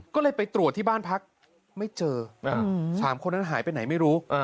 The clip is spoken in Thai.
ก็เลยไปตรวจที่บ้านพักไม่เจอ๓คนนั้นหายไปไหนไม่รู้